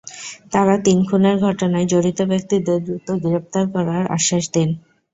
তাঁরা তিন খুনের ঘটনায় জড়িত ব্যক্তিদের দ্রুত গ্রেপ্তার করার আশ্বাস দেন।